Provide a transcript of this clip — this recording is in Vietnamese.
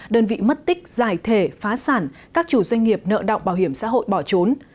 đơn vị mất tích giải thể phá sản các chủ doanh nghiệp nợ động bảo hiểm xã hội bỏ trốn